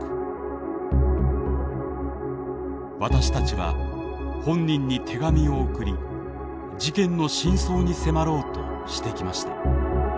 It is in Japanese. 私たちは本人に手紙を送り事件の真相に迫ろうとしてきました。